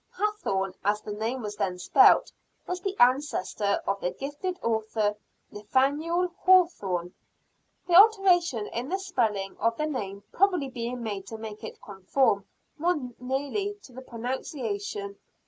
Hathorne, as the name was then spelt, was the ancestor of the gifted author, Nathaniel Hawthorne the alteration in the spelling of the name probably being made to make it conform more nearly to the pronunciation.